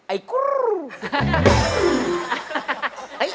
ไอ้กุ๊ด